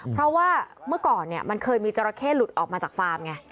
เพราะว่าเมื่อก่อนมันเคยมีจราเข้หลุดออกมาจากฟาร์มไง